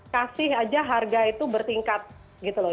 kasih aja harga itu bertingkat gitu loh